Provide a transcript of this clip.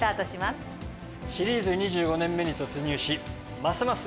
シリーズ２５年目に突入しますます